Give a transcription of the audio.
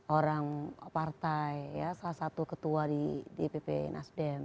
orang partai ya salah satu ketua di pp nasdem